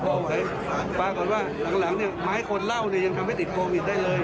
กากตัวเฉพาะคนที่มีความเสี่ยงสูงเลย